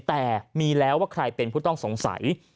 แต่มีแล้วว่าใครเป็นผู้ต้องสงสัย